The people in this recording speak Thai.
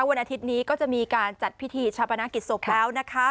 วันอาทิตย์นี้ก็จะมีการจัดพิธีชาปนกิจศพแล้วนะคะ